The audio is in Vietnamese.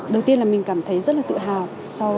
đầu tiên là mình cảm thấy rất là tự hào